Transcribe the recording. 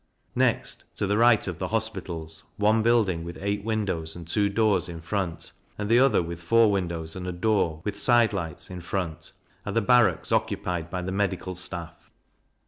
Next, to the right of the Hospitals, one building with eight windows and two doors in front, and the other with four windows and a door, with side lights, in front, are the Barracks occupied by the Medical Staff.